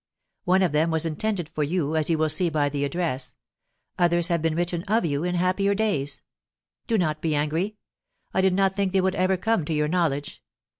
One of them was intended for you, as you will see by the address; others have been written of you, in happier days. Do not be angry. I did not think they would ever come to your knowledge.